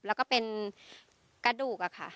แล้วก็เป็นกระดูกอะค่ะ